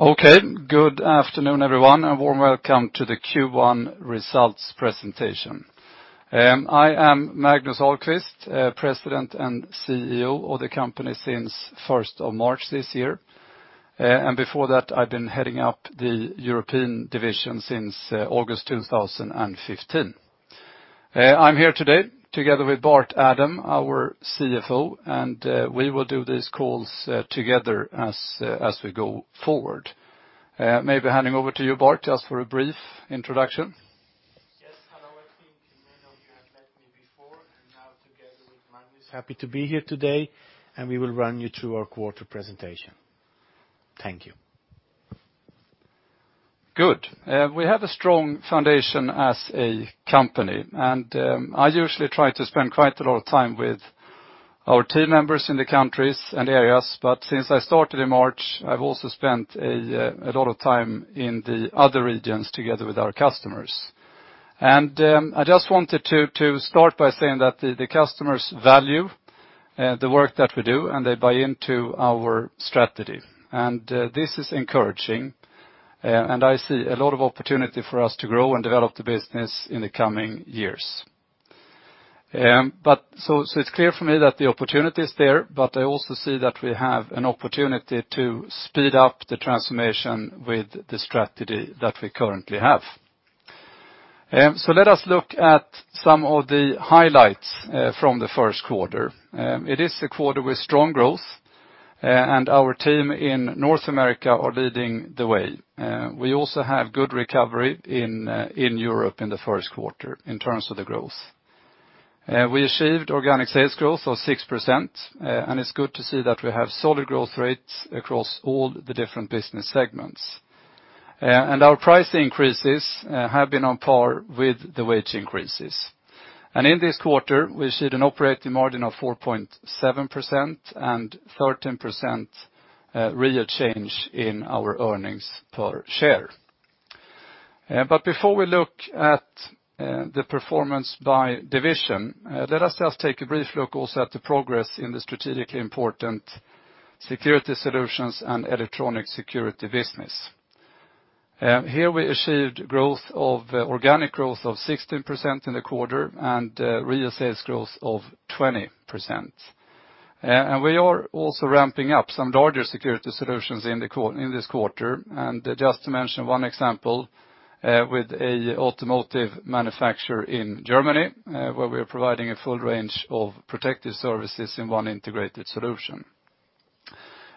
Okay. Good afternoon, everyone, and a warm welcome to the Q1 results presentation. I am Magnus Ahlqvist, President and CEO of the company since 1st of March this year. Before that, I've been heading up the European division since August 2015. I am here today together with Bart Adam, our CFO, and we will do these calls together as we go forward. Maybe handing over to you, Bart, just for a brief introduction. Yes. Hello, everyone. Many of you have met me before, and now together with Magnus, happy to be here today, and we will run you through our quarter presentation. Thank you. Good. We have a strong foundation as a company, and I usually try to spend quite a lot of time with our team members in the countries and areas. Since I started in March, I've also spent a lot of time in the other regions together with our customers. I just wanted to start by saying that the customers value the work that we do, and they buy into our strategy. This is encouraging, and I see a lot of opportunity for us to grow and develop the business in the coming years. It's clear for me that the opportunity is there, but I also see that we have an opportunity to speed up the transformation with the strategy that we currently have. Let us look at some of the highlights from the first quarter. It is a quarter with strong growth, and our team in North America are leading the way. We also have good recovery in Europe in the first quarter in terms of the growth. We achieved organic sales growth of 6%, and it's good to see that we have solid growth rates across all the different business segments. Our price increases have been on par with the wage increases. In this quarter, we see an operating margin of 4.7% and 13% real change in our earnings per share. Before we look at the performance by division, let us just take a brief look also at the progress in the strategically important security solutions and electronic security business. Here we achieved organic growth of 16% in the quarter and real sales growth of 20%. We are also ramping up some larger security solutions in this quarter. Just to mention one example, with an automotive manufacturer in Germany, where we are providing a full range of protective services in one integrated solution.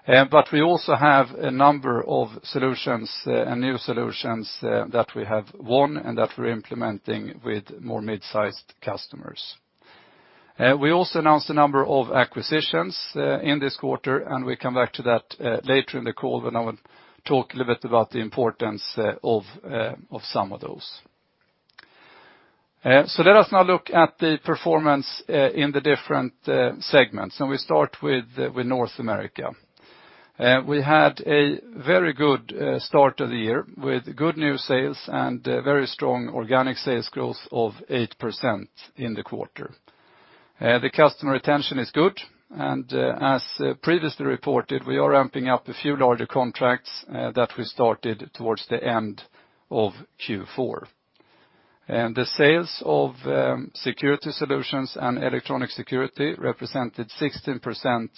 We also have a number of solutions and new solutions that we have won and that we are implementing with more mid-sized customers. We also announced a number of acquisitions in this quarter, and we come back to that later in the call when I will talk a little bit about the importance of some of those. Let us now look at the performance in the different segments, and we start with North America. We had a very good start of the year with good new sales and very strong organic sales growth of 8% in the quarter. The customer retention is good, and as previously reported, we are ramping up a few larger contracts that we started towards the end of Q4. The sales of security solutions and electronic security represented 16%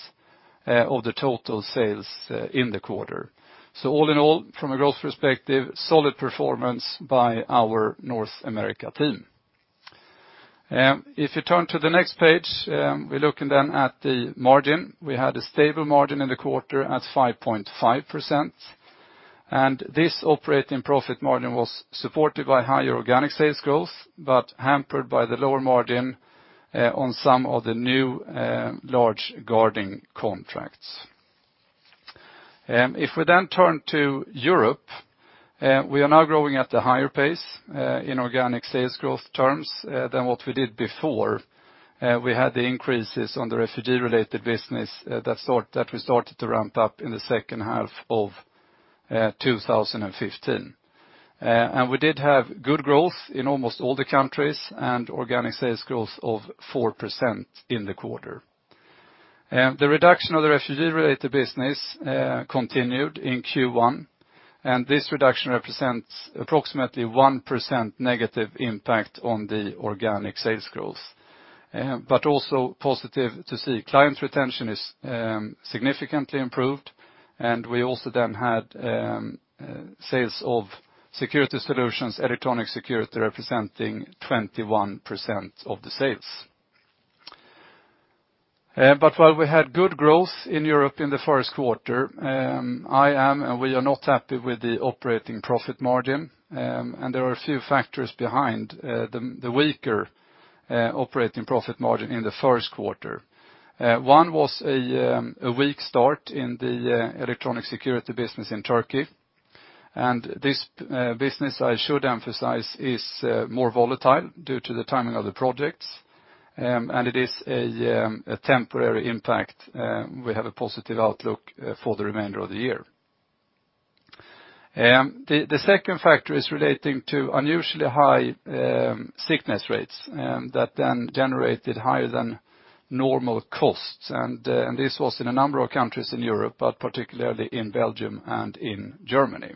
of the total sales in the quarter. All in all, from a growth perspective, solid performance by our North America team. You turn to the next page, we are looking then at the margin. We had a stable margin in the quarter at 5.5%, and this operating profit margin was supported by higher organic sales growth, but hampered by the lower margin on some of the new large guarding contracts. We then turn to Europe, we are now growing at a higher pace in organic sales growth terms than what we did before. We had the increases on the refugee-related business that we started to ramp up in the second half of 2015. We did have good growth in almost all the countries and organic sales growth of 4% in the quarter. The reduction of the refugee-related business continued in Q1, and this reduction represents approximately 1% negative impact on the organic sales growth. Also positive to see client retention is significantly improved, and we also then had sales of security solutions, electronic security representing 21% of the sales. While we had good growth in Europe in the first quarter, I am, and we are not happy with the operating profit margin. There are a few factors behind the weaker operating profit margin in the first quarter. One was a weak start in the electronic security business in Turkey. This business, I should emphasize, is more volatile due to the timing of the projects. It is a temporary impact. We have a positive outlook for the remainder of the year. The second factor is relating to unusually high sickness rates that then generated higher than normal costs. This was in a number of countries in Europe, but particularly in Belgium and in Germany.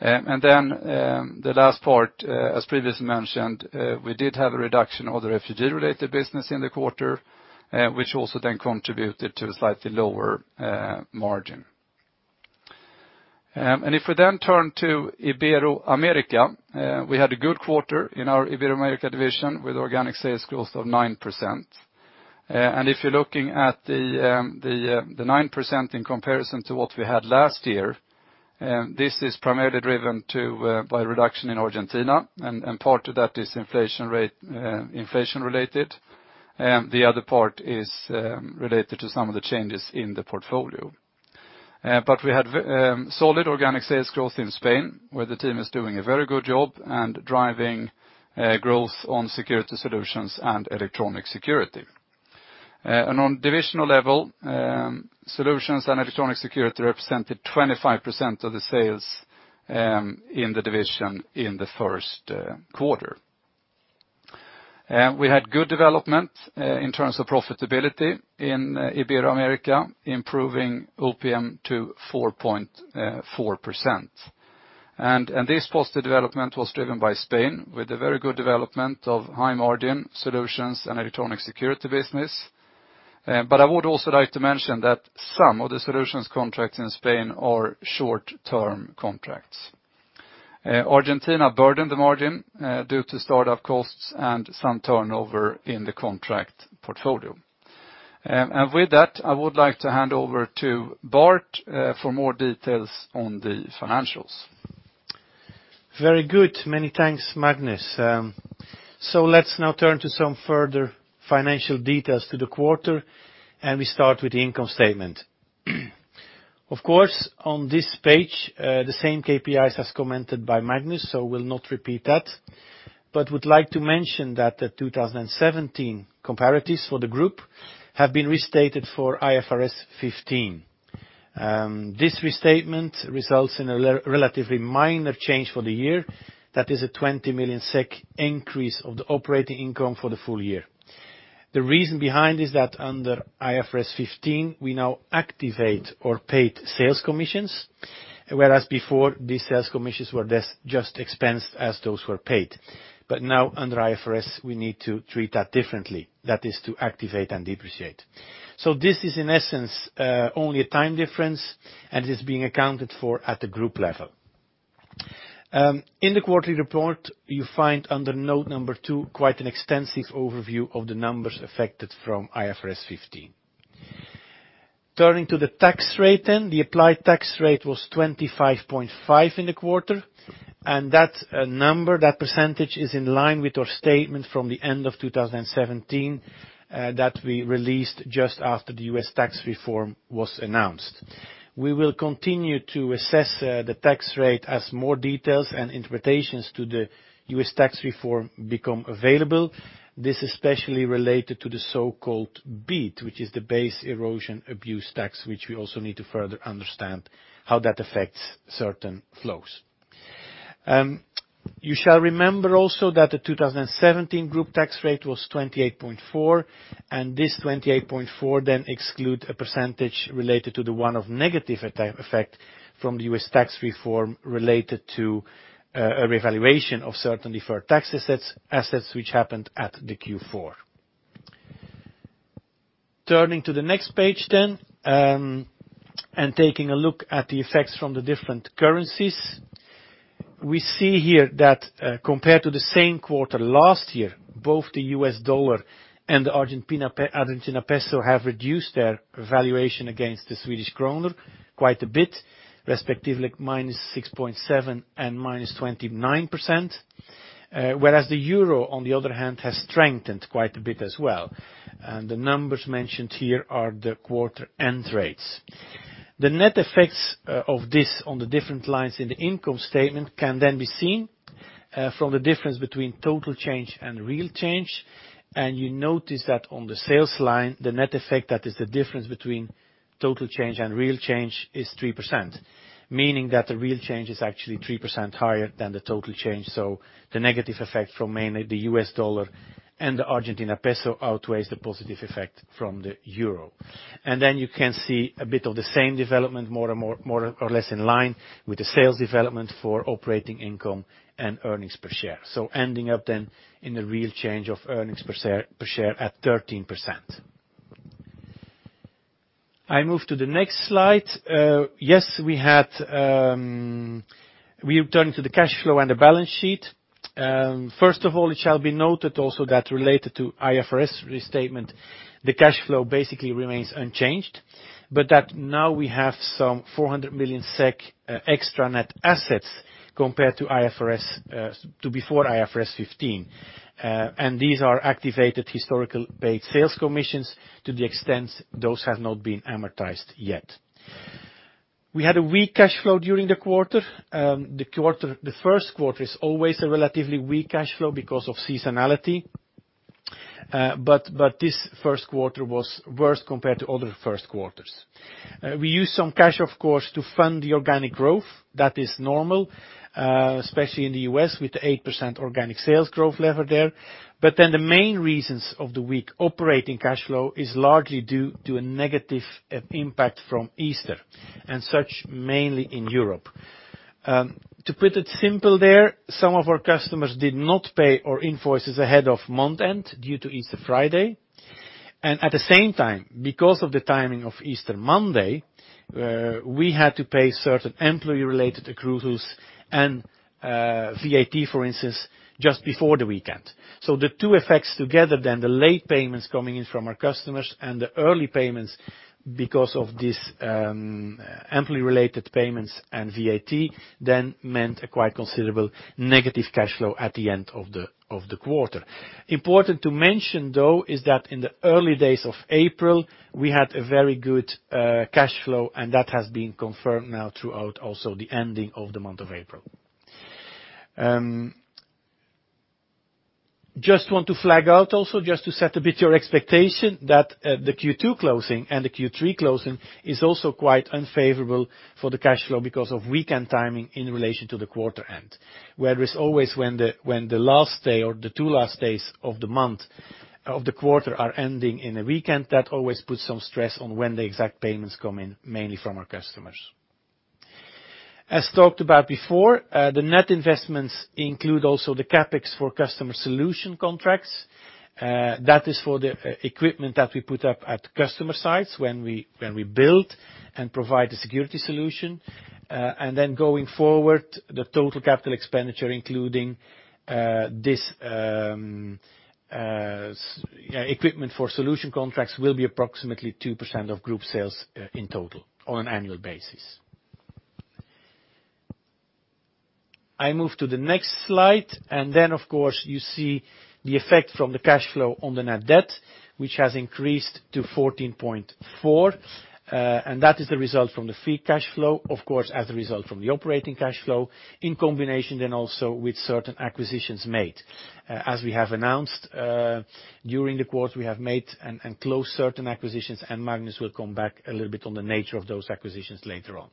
The last part, as previously mentioned, we did have a reduction of the refugee-related business in the quarter, which also then contributed to a slightly lower margin. We then turn to Iberoamerica, we had a good quarter in our Iberoamerica division with organic sales growth of 9%. If you are looking at the 9% in comparison to what we had last year, this is primarily driven by a reduction in Argentina, and part of that is inflation-related. The other part is related to some of the changes in the portfolio. We had solid organic sales growth in Spain, where the team is doing a very good job and driving growth on security solutions and electronic security. On divisional level, solutions and electronic security represented 25% of the sales in the division in the first quarter. We had good development in terms of profitability in Iberoamerica, improving OPM to 4.4%. This positive development was driven by Spain with a very good development of high-margin solutions and electronic security business. I would also like to mention that some of the solutions contracts in Spain are short-term contracts. Argentina burdened the margin due to startup costs and some turnover in the contract portfolio. With that, I would like to hand over to Bart for more details on the financials. Very good. Many thanks, Magnus. Let's now turn to some further financial details to the quarter. We start with the income statement. Of course, on this page, the same KPIs as commented by Magnus. We will not repeat that, but would like to mention that the 2017 comparatives for the group have been restated for IFRS 15. This restatement results in a relatively minor change for the year. That is a 20 million SEK increase of the operating income for the full year. The reason behind is that under IFRS 15, we now activate our paid sales commissions, whereas before these sales commissions were just expensed as those were paid. Now under IFRS, we need to treat that differently. That is to activate and depreciate. This is in essence only a time difference, and it is being accounted for at the group level. In the quarterly report, you find under note number 2 quite an extensive overview of the numbers affected from IFRS 15. Turning to the tax rate. The applied tax rate was 25.5% in the quarter. That number, that percentage, is in line with our statement from the end of 2017 that we released just after the U.S. tax reform was announced. We will continue to assess the tax rate as more details and interpretations to the U.S. tax reform become available. This especially related to the so-called BEAT, which is the Base Erosion and Anti-Abuse Tax, which we also need to further understand how that affects certain flows. You shall remember also that the 2017 group tax rate was 28.4%. This 28.4% then exclude a percentage related to the one of negative effect from the U.S. tax reform related to a revaluation of certain deferred tax assets which happened at the Q4. Turning to the next page, taking a look at the effects from the different currencies. We see here that compared to the same quarter last year, both the U.S. dollar and the Argentine peso have reduced their valuation against the Swedish krona quite a bit, respectively, -6.7% and -29%, whereas the EUR, on the other hand, has strengthened quite a bit as well. The numbers mentioned here are the quarter-end rates. The net effects of this on the different lines in the income statement can be seen from the difference between total change and real change. You notice that on the sales line, the net effect, that is the difference between total change and real change, is 3%, meaning that the real change is actually 3% higher than the total change. The negative effect from mainly the U.S. dollar and the Argentine peso outweighs the positive effect from the euro. You can see a bit of the same development, more or less in line with the sales development for operating income and earnings per share. Ending up then in the real change of earnings per share at 13%. I move to the next slide. Yes, we return to the cash flow and the balance sheet. First of all, it shall be noted also that related to IFRS restatement, the cash flow basically remains unchanged, but that now we have some 400 million SEK extra net assets compared to before IFRS 15. These are activated historical paid sales commissions to the extent those have not been amortized yet. We had a weak cash flow during the quarter. The first quarter is always a relatively weak cash flow because of seasonality. This first quarter was worse compared to other first quarters. We used some cash, of course, to fund the organic growth. That is normal, especially in the U.S., with the 8% organic sales growth level there. The main reasons of the weak operating cash flow is largely due to a negative impact from Easter, and such mainly in Europe. To put it simple there, some of our customers did not pay our invoices ahead of month-end due to Easter Friday. At the same time, because of the timing of Easter Monday, we had to pay certain employee-related accruals and VAT, for instance, just before the weekend. The two effects together then, the late payments coming in from our customers and the early payments because of these employee-related payments and VAT, then meant a quite considerable negative cash flow at the end of the quarter. Important to mention, though, is that in the early days of April, we had a very good cash flow and that has been confirmed now throughout also the ending of the month of April. Just want to flag out also, just to set a bit your expectation, that the Q2 closing and the Q3 closing is also quite unfavorable for the cash flow because of weekend timing in relation to the quarter end. Whereas always when the last day or the two last days of the month, of the quarter are ending in a weekend, that always puts some stress on when the exact payments come in, mainly from our customers. As talked about before, the net investments include also the CapEx for customer solution contracts. That is for the equipment that we put up at customer sites when we build and provide the security solution. Going forward, the total capital expenditure, including this equipment for solution contracts, will be approximately 2% of group sales in total on an annual basis. I move to the next slide. Of course, you see the effect from the cash flow on the net debt, which has increased to 14.4, and that is the result from the free cash flow. Of course, as a result from the operating cash flow in combination then also with certain acquisitions made. As we have announced during the quarter, we have made and closed certain acquisitions, and Magnus will come back a little bit on the nature of those acquisitions later on.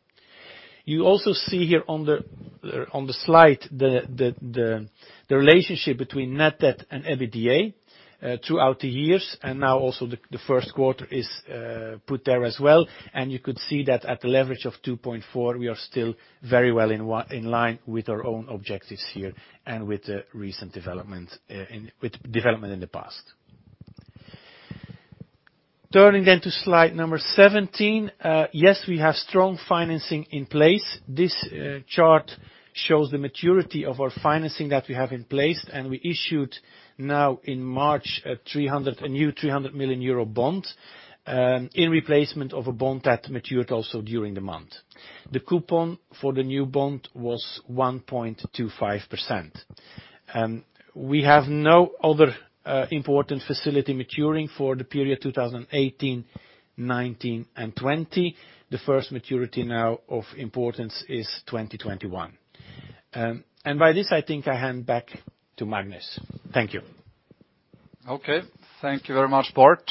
You also see here on the slide the relationship between net debt and EBITDA throughout the years, now also the first quarter is put there as well. You could see that at a leverage of 2.4, we are still very well in line with our own objectives here and with the recent development in the past. Turning to slide number 17. Yes, we have strong financing in place. This chart shows the maturity of our financing that we have in place, we issued now in March a new 300 million euro bond in replacement of a bond that matured also during the month. The coupon for the new bond was 1.25%. We have no other important facility maturing for the period 2018, 2019, and 2020. The first maturity now of importance is 2021. By this, I think I hand back to Magnus. Thank you. Okay. Thank you very much, Bart.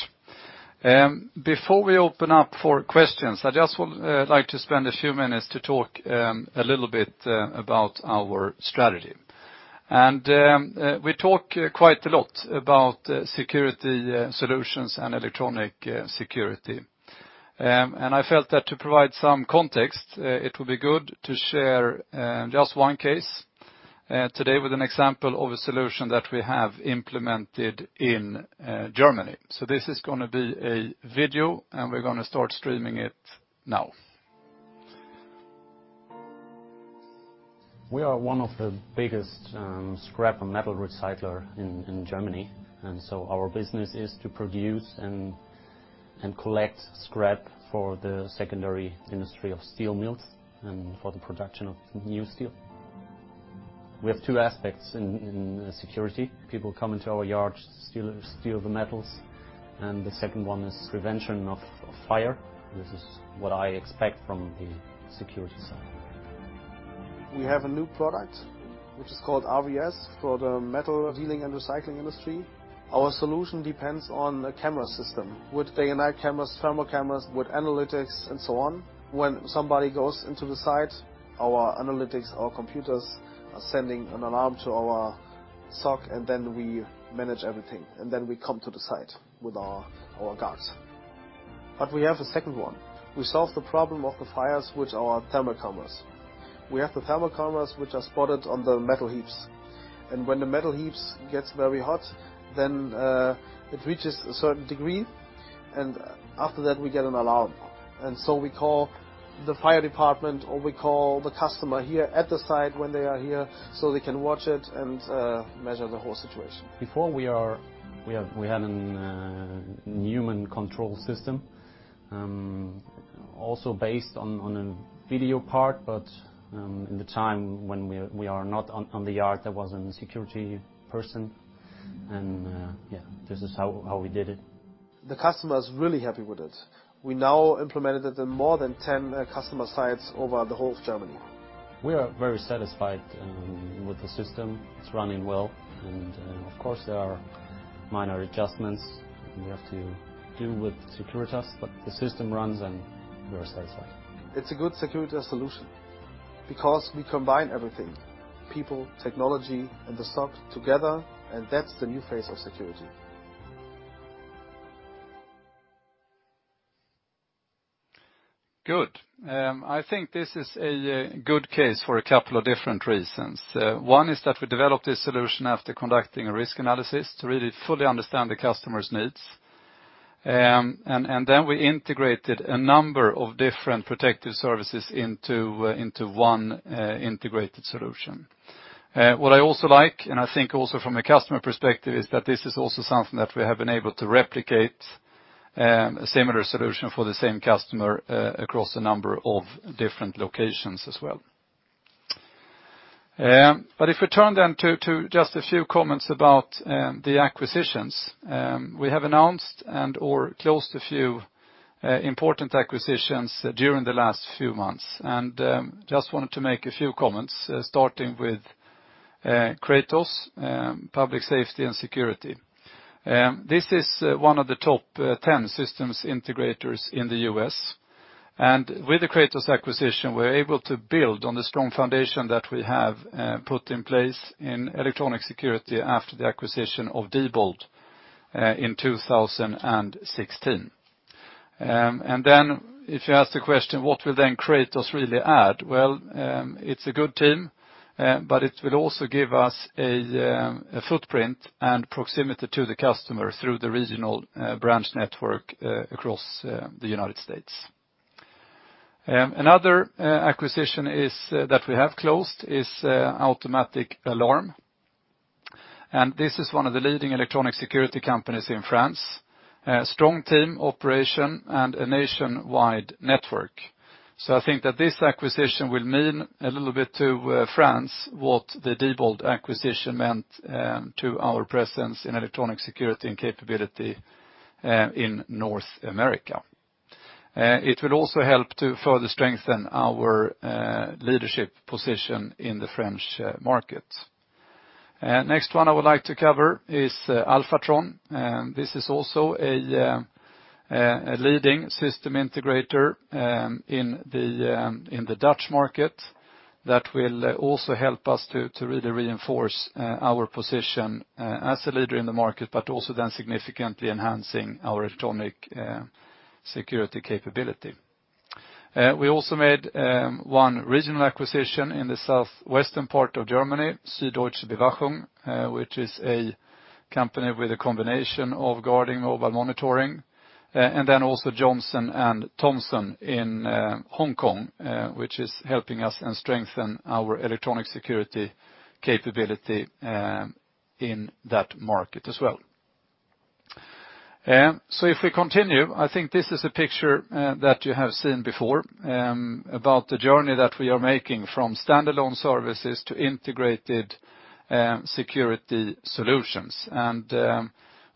Before we open up for questions, I just would like to spend a few minutes to talk a little bit about our strategy. We talk quite a lot about security solutions and electronic security. I felt that to provide some context, it would be good to share just one case today with an example of a solution that we have implemented in Germany. This is going to be a video, we're going to start streaming it now. We are one of the biggest scrap and metal recycler in Germany. Our business is to produce and collect scrap for the secondary industry of steel mills and for the production of new steel. We have two aspects in security. People come into our yard, steal the metals, and the second one is prevention of fire. This is what I expect from the security side. We have a new product which is called RVS for the metal dealing and recycling industry. Our solution depends on a camera system with day and night cameras, thermal cameras with analytics and so on. When somebody goes into the site, our analytics, our computers are sending an alarm to our SOC, we manage everything, we come to the site with our guards. But we have a second one. We solve the problem of the fires with our thermal cameras. We have the thermal cameras which are spotted on the metal heaps. When the metal heaps gets very hot, it reaches a certain degree, and after that, we get an alarm. We call the fire department, or we call the customer here at the site when they are here so they can watch it and measure the whole situation. Before we had a human control system, also based on a video part, in the time when we are not on the yard, there was a security person. Yeah, this is how we did it The customer's really happy with it. We now implemented it in more than 10 customer sites over the whole of Germany. We are very satisfied with the system. It's running well, of course, there are minor adjustments we have to do with Securitas, the system runs, and we are satisfied. It's a good Securitas solution, because we combine everything: people, technology, and the SOC together, that's the new face of security. Good. I think this is a good case for a couple of different reasons. One is that we developed this solution after conducting a risk analysis to really fully understand the customer's needs. We integrated a number of different protective services into one integrated solution. I also like, and I think also from a customer perspective, this is also something that we have been able to replicate a similar solution for the same customer across a number of different locations as well. If we turn then to just a few comments about the acquisitions, we have announced and/or closed a few important acquisitions during the last few months. Just wanted to make a few comments, starting with Kratos Public Safety and Security. This is one of the top 10 systems integrators in the U.S. With the Kratos acquisition, we are able to build on the strong foundation that we have put in place in electronic security after the acquisition of Diebold in 2016. If you ask the question, what will then Kratos really add? Well, it is a good team, but it will also give us a footprint and proximity to the customer through the regional branch network across the United States. Another acquisition that we have closed is Automatic Alarm. This is one of the leading electronic security companies in France. Strong team, operation, and a nationwide network. I think that this acquisition will mean a little bit to France what the Diebold acquisition meant to our presence in electronic security and capability in North America. It will also help to further strengthen our leadership position in the French market. Next one I would like to cover is Alphatron. This is also a leading system integrator in the Dutch market that will also help us to really reinforce our position as a leader in the market, but also then significantly enhancing our electronic security capability. We also made one regional acquisition in the southwestern part of Germany, Süddeutsche Bewachung, which is a company with a combination of guarding mobile monitoring. Also Johnson and Thompson in Hong Kong, which is helping us and strengthen our electronic security capability in that market as well. If we continue, I think this is a picture that you have seen before about the journey that we are making from standalone services to integrated security solutions.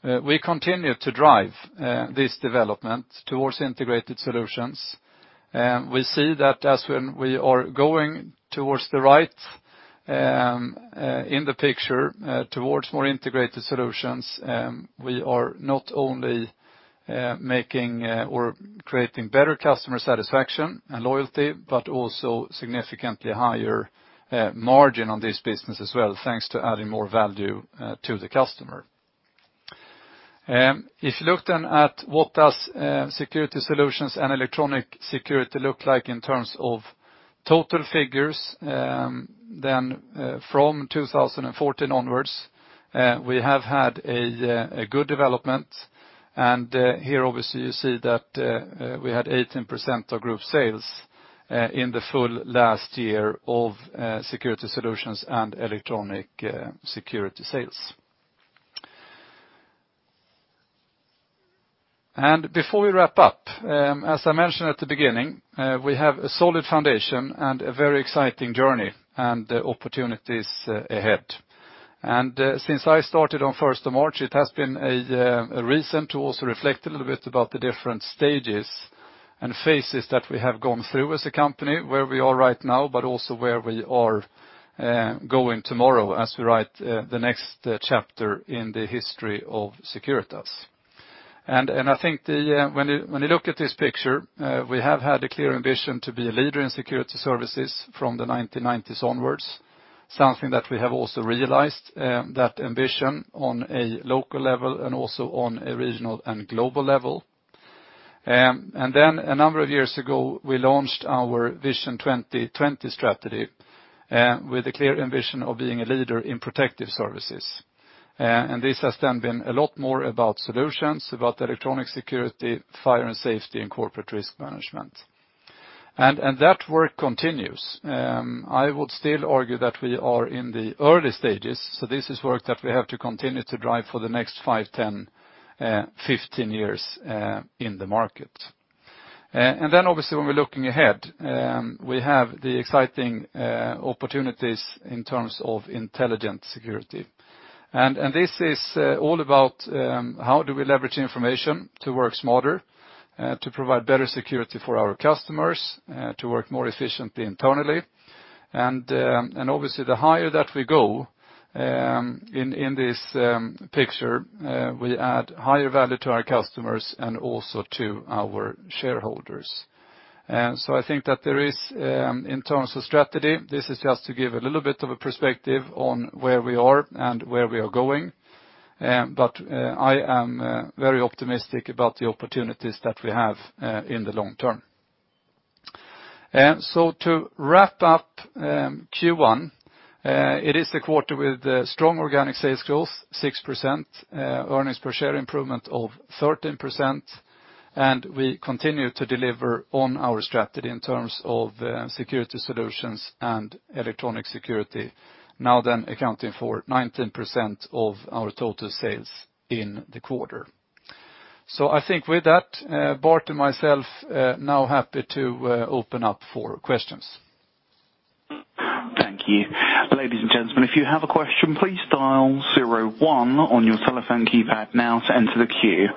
We continue to drive this development towards integrated solutions. We see that as when we are going towards the right in the picture towards more integrated solutions, we are not only making or creating better customer satisfaction and loyalty, but also significantly higher margin on this business as well, thanks to adding more value to the customer. If you look at what does security solutions and electronic security look like in terms of total figures, then from 2014 onwards, we have had a good development. Here, obviously, you see that we had 18% of group sales in the full last year of security solutions and electronic security sales. Before we wrap up, as I mentioned at the beginning, we have a solid foundation, and a very exciting journey, and opportunities ahead. Since I started on 1st of March, it has been a reason to also reflect a little bit about the different stages and phases that we have gone through as a company, where we are right now, but also where we are going tomorrow as we write the next chapter in the history of Securitas. I think when you look at this picture, we have had a clear ambition to be a leader in security services from the 1990s onwards, something that we have also realized that ambition on a local level and also on a regional and global level. A number of years ago, we launched our Vision 2020 strategy with a clear ambition of being a leader in protective services. This has then been a lot more about solutions, about electronic security, fire and safety, and corporate risk management. That work continues. I would still argue that we are in the early stages, this is work that we have to continue to drive for the next 5, 10, 15 years in the market. Obviously when we're looking ahead, we have the exciting opportunities in terms of intelligent security. This is all about how do we leverage information to work smarter, to provide better security for our customers, to work more efficiently internally. Obviously the higher that we go in this picture, we add higher value to our customers and also to our shareholders. I think that there is, in terms of strategy, this is just to give a little bit of a perspective on where we are and where we are going. I am very optimistic about the opportunities that we have in the long term. To wrap up Q1, it is the quarter with strong organic sales growth, 6%, earnings per share improvement of 13%, and we continue to deliver on our strategy in terms of security solutions and electronic security. Now then accounting for 19% of our total sales in the quarter. I think with that, Bart and myself now happy to open up for questions. Thank you. Ladies and gentlemen, if you have a question, please dial zero one on your telephone keypad now to enter the queue.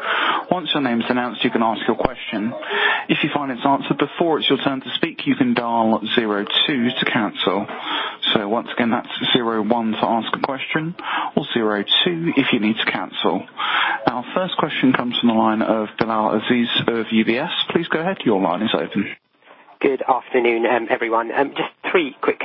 Once your name's announced, you can ask your question. If you find it's answered before it's your turn to speak, you can dial zero two to cancel. Once again, that's zero one to ask a question, or zero two if you need to cancel. Our first question comes from the line of Bilal Aziz of UBS. Please go ahead. Your line is open. Good afternoon, everyone. Just three quick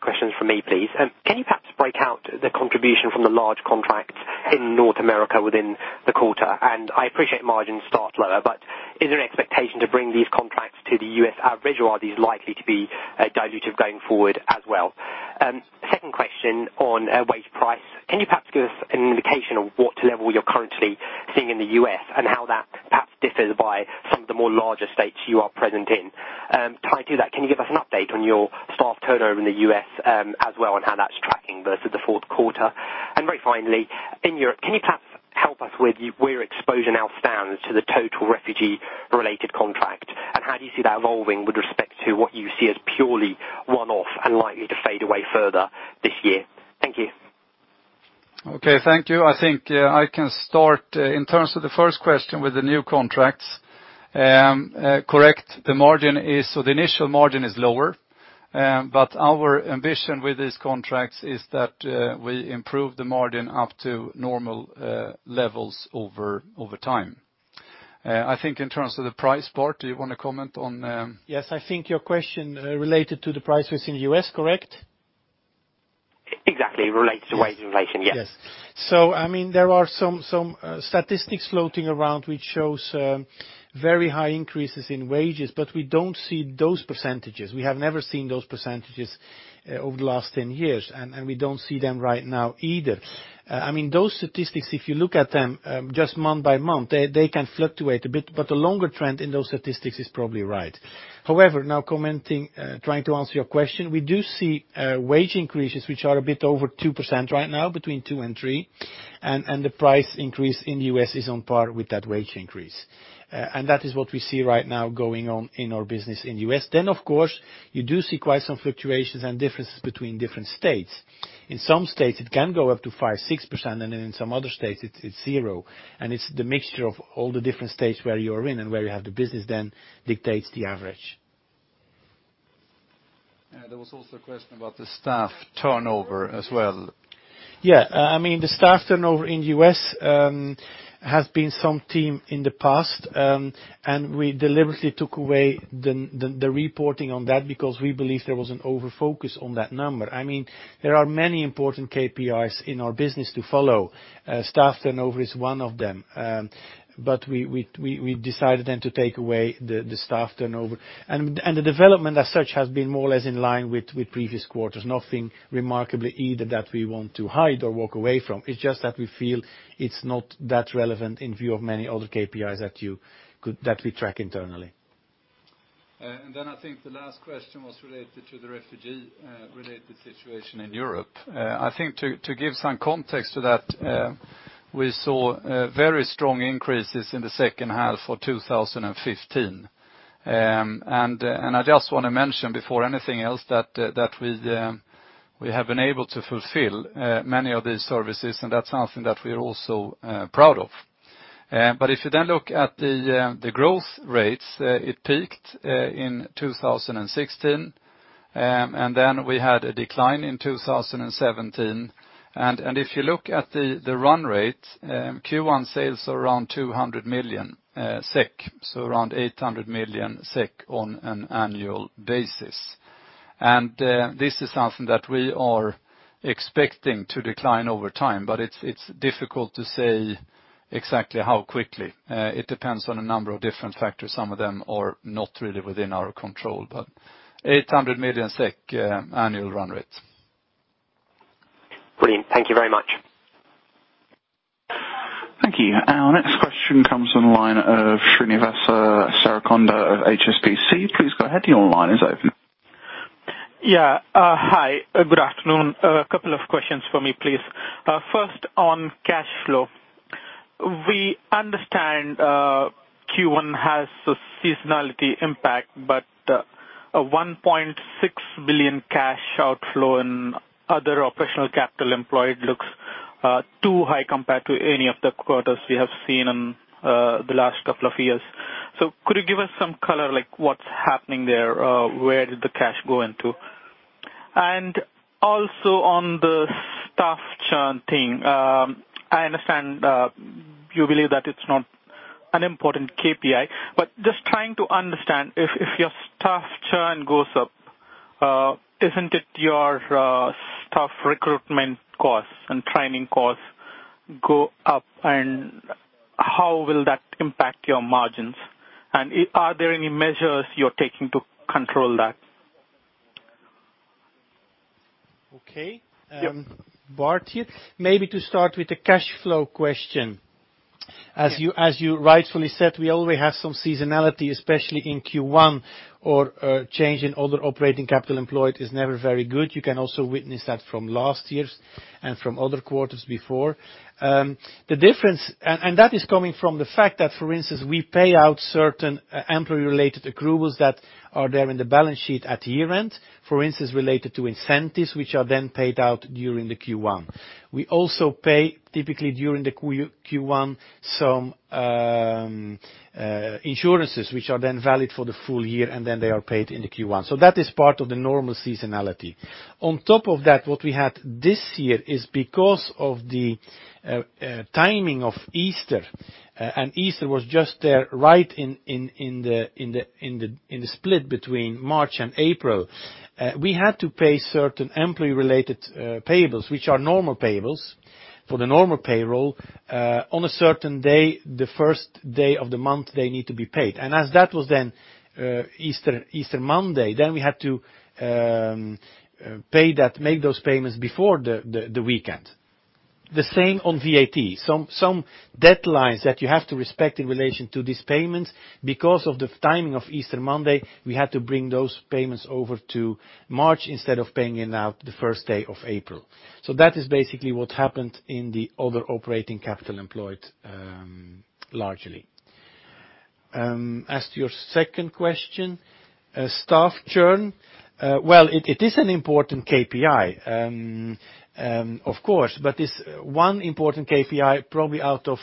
questions from me, please. Can you perhaps break out the contribution from the large contracts in North America within the quarter? I appreciate margins start lower, but is there an expectation to bring these contracts to the U.S. average, or are these likely to be dilutive going forward as well? Second question on wage price. Can you perhaps give us an indication of what level you're currently seeing in the U.S. and how that perhaps differs by some of the more larger states you are present in? Tied to that, can you give us an update on your staff turnover in the U.S. as well, and how that's tracking versus the fourth quarter? Very finally, in Europe, can you perhaps help us with where exposure now stands to the total refugee-related contract? How do you see that evolving with respect to what you see as purely one-off and likely to fade away further this year? Thank you. Okay, thank you. I think I can start in terms of the first question with the new contracts. Correct. The initial margin is lower, but our ambition with these contracts is that we improve the margin up to normal levels over time. I think in terms of the price, Bart, do you want to comment on. Yes, I think your question related to the price was in the U.S., correct? Exactly. Relates to wage inflation, yes. Yes. There are some statistics floating around which shows very high increases in wages, but we don't see those percentages. We have never seen those percentages over the last 10 years, and we don't see them right now either. Those statistics, if you look at them just month by month, they can fluctuate a bit, but the longer trend in those statistics is probably right. However, now trying to answer your question, we do see wage increases which are a bit over 2% right now, between two and three, and the price increase in the U.S. is on par with that wage increase. Of course, you do see quite some fluctuations and differences between different states. In some states, it can go up to 5%, 6%, and in some other states, it's zero. It's the mixture of all the different states where you are in and where you have the business then dictates the average. Yeah. There was also a question about the staff turnover as well. The staff turnover in the U.S. has been something in the past, and we deliberately took away the reporting on that because we believe there was an over-focus on that number. There are many important KPIs in our business to follow. Staff turnover is one of them. We decided then to take away the staff turnover. The development as such has been more or less in line with previous quarters. Nothing remarkable either that we want to hide or walk away from. It's just that we feel it's not that relevant in view of many other KPIs that we track internally. I think the last question was related to the refugee-related situation in Europe. I think to give some context to that, we saw very strong increases in the second half of 2015. I just want to mention before anything else that we have been able to fulfill many of these services, and that's something that we are also proud of. If you then look at the growth rates, it peaked in 2016, and then we had a decline in 2017. If you look at the run rate, Q1 sales are around 200 million SEK, so around 800 million SEK on an annual basis. This is something that we are expecting to decline over time, but it's difficult to say exactly how quickly. It depends on a number of different factors. Some of them are not really within our control, 800 million SEK annual run rate. Brilliant. Thank you very much. Thank you. Our next question comes from the line of Srinivasa Srikonda of HSBC. Please go ahead. Your line is open. Yeah. Hi, good afternoon. A couple of questions for me, please. First, on cash flow. We understand Q1 has a seasonality impact, but a 1.6 billion cash outflow in other operational capital employed looks too high compared to any of the quarters we have seen in the last couple of years. Could you give us some color, like what's happening there? Where did the cash go into? Also on the staff churn thing. I understand you believe that it's not an important KPI, but just trying to understand if your staff churn goes up, isn't it your staff recruitment costs and training costs go up and how will that impact your margins? Are there any measures you're taking to control that? Okay. Yep. Bart here. Maybe to start with the cash flow question. As you rightfully said, we always have some seasonality, especially in Q1 or change in other operating capital employed is never very good. You can also witness that from last year's and from other quarters before. That is coming from the fact that, for instance, we pay out certain employee-related accruals that are there in the balance sheet at year-end, for instance, related to incentives, which are then paid out during the Q1. We also pay typically during the Q1 some insurances, which are then valid for the full year, and then they are paid in the Q1. That is part of the normal seasonality. On top of that, what we had this year is because of the timing of Easter was just there right in the split between March and April. We had to pay certain employee-related payables, which are normal payables for the normal payroll, on a certain day, the first day of the month they need to be paid. As that was Easter Monday, we had to make those payments before the weekend. The same on VAT. Some deadlines that you have to respect in relation to these payments, because of the timing of Easter Monday, we had to bring those payments over to March instead of paying it out the first day of April. That is basically what happened in the other operating capital employed largely. As to your second question, staff churn. Well, it is an important KPI, of course, but it's one important KPI probably out of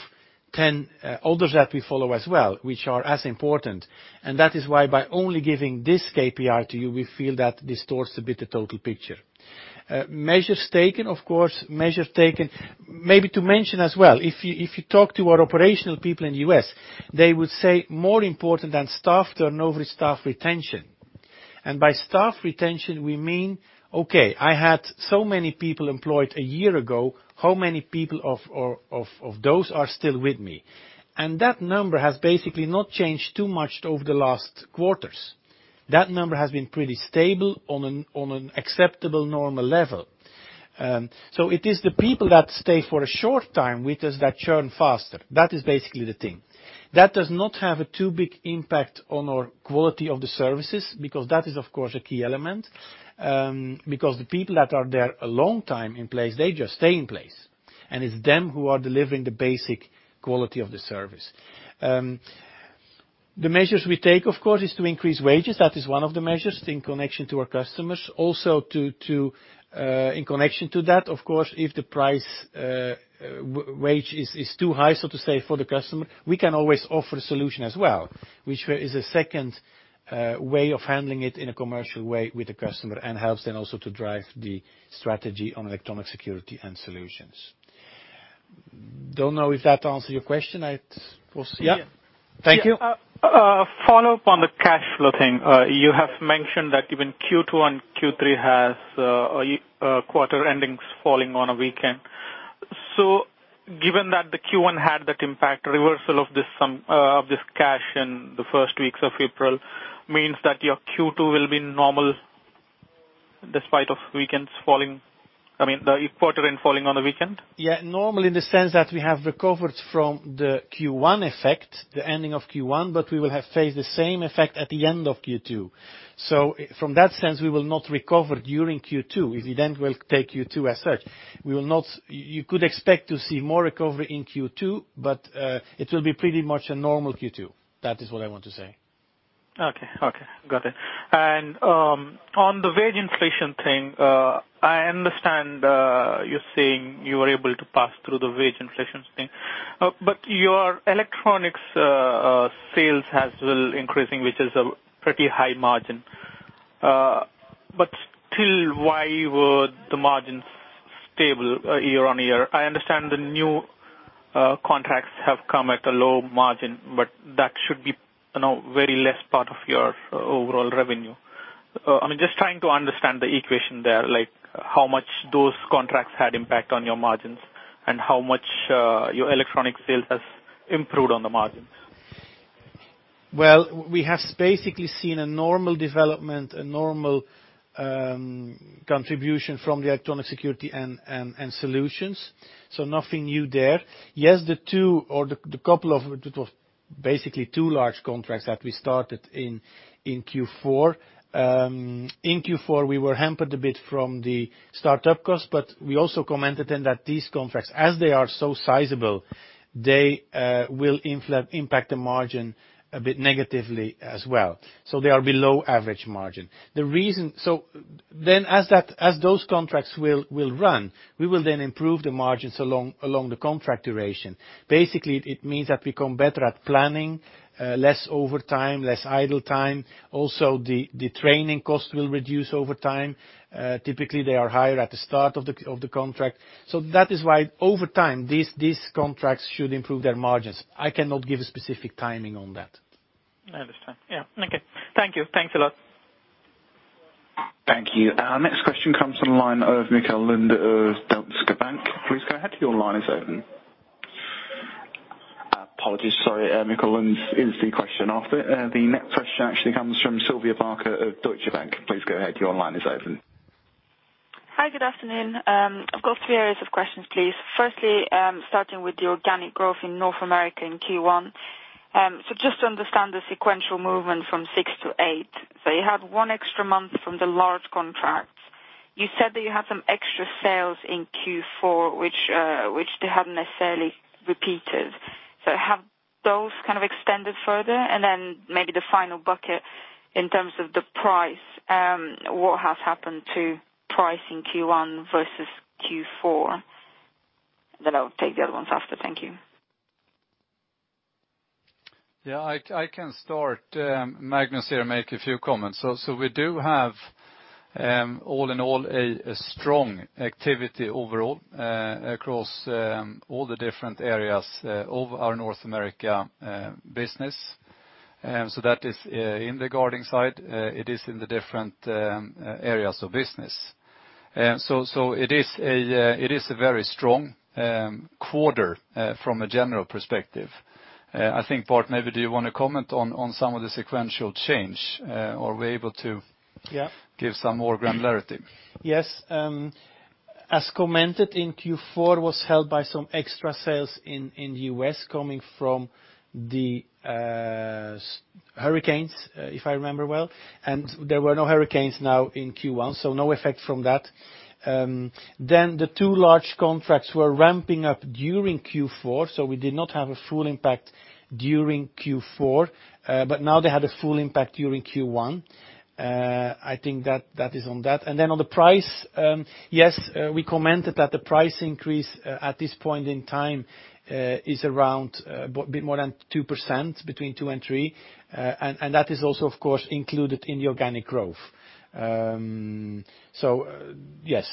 10 others that we follow as well, which are as important. That is why by only giving this KPI to you, we feel that distorts a bit the total picture. Measures taken, of course, measures taken. Maybe to mention as well, if you talk to our operational people in U.S., they would say more important than staff turnover is staff retention. By staff retention, we mean, okay, I had so many people employed a year ago. How many people of those are still with me? That number has basically not changed too much over the last quarters. That number has been pretty stable on an acceptable normal level. It is the people that stay for a short time with us that churn faster. That is basically the thing. That does not have a too big impact on our quality of the services, because that is, of course, a key element. The people that are there a long time in place, they just stay in place. It's them who are delivering the basic quality of the service. The measures we take, of course, is to increase wages. That is one of the measures in connection to our customers. In connection to that, of course, if the wage is too high, so to say, for the customer, we can always offer a solution as well, which is a second way of handling it in a commercial way with the customer and helps then also to drive the strategy on electronic security and solutions. Don't know if that answered your question. We'll see. Yeah. Thank you. A follow-up on the cash flow thing. You have mentioned that even Q2 and Q3 has quarter endings falling on a weekend. Given that the Q1 had that impact reversal of this cash in the first weeks of April means that your Q2 will be normal despite of weekends falling, I mean, the quarter end falling on a weekend? Yeah. Normal in the sense that we have recovered from the Q1 effect, the ending of Q1, but we will face the same effect at the end of Q2. From that sense, we will not recover during Q2. If it end well, take Q2 as such. You could expect to see more recovery in Q2, but it will be pretty much a normal Q2. That is what I want to say. Okay. Got it. On the wage inflation thing, I understand you're saying you were able to pass through the wage inflation thing. Your electronics sales has been increasing, which is a pretty high margin. Still, why would the margin stable year-on-year? I understand the new contracts have come at a low margin, but that should be very less part of your overall revenue. Just trying to understand the equation there, how much those contracts had impact on your margins and how much your electronic sales has improved on the margin? Well, we have basically seen a normal development, a normal contribution from the electronic security and solutions. Nothing new there. Yes, the two large contracts that we started in Q4. In Q4, we were hampered a bit from the startup cost, but we also commented then that these contracts, as they are so sizable, they will impact the margin a bit negatively as well. They are below average margin. As those contracts will run, we will then improve the margins along the contract duration. Basically, it means that we become better at planning, less overtime, less idle time. Also, the training cost will reduce over time. Typically, they are higher at the start of the contract. That is why over time, these contracts should improve their margins. I cannot give a specific timing on that. I understand. Yeah, okay. Thank you. Thanks a lot. Thank you. Our next question comes from the line of Mikkel Lund of DekaBank. Please go ahead, your line is open. Apologies, sorry. Mikkel Lund is the question after. The next question actually comes from Sylvia Barker of Deutsche Bank. Please go ahead. Your line is open. Hi, good afternoon. I've got three areas of questions, please. Firstly, starting with the organic growth in North America in Q1. Just to understand the sequential movement from six to eight. You had one extra month from the large contracts. You said that you had some extra sales in Q4, which they haven't necessarily repeated. Have those kind of extended further? Then maybe the final bucket in terms of the price, what has happened to price in Q1 versus Q4? I'll take the other ones after. Thank you. Yeah, I can start, Magnus here, make a few comments. We do have, all in all, a strong activity overall, across all the different areas of our North America business. That is in the guarding side, it is in the different areas of business. It is a very strong quarter from a general perspective. I think, Bart, maybe do you want to comment on some of the sequential change, or we're able to- Yeah give some more granularity? Yes. As commented in Q4, was held by some extra sales in U.S. coming from the hurricanes, if I remember well, and there were no hurricanes now in Q1, so no effect from that. The two large contracts were ramping up during Q4, so we did not have a full impact during Q4. Now they had a full impact during Q1. I think that is on that. On the price, yes, we commented that the price increase at this point in time, is around a bit more than 2%, between two and three. That is also, of course, included in the organic growth. Yes.